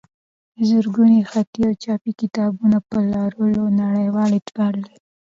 د زرګونو خطي او چاپي کتابونو په لرلو نړیوال اعتبار لري.